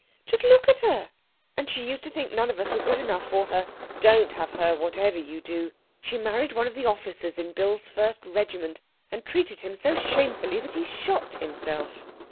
Just look at her and she used to think none of us were good enough for her. Don't have her, whatever you do she married one of the officers in Bill's first regiment, and treated him so shamefully that he shot himself.